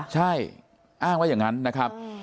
ใช่อ้างไว้อย่างนั้นนะครับ